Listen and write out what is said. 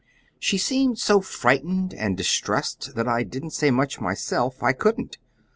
"She seemed so frightened and distressed that I didn't say much myself. I couldn't.